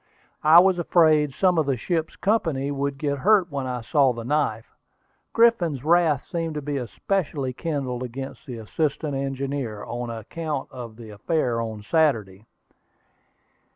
I was afraid some of the ship's company would get hurt when I saw the knife. Griffin's wrath seemed to be especially kindled against the assistant engineer, on account of the affair on Saturday.